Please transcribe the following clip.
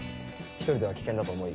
１人では危険だと思い